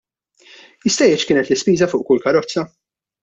Jista' jgħid x'kienet l-ispiża fuq kull karozza?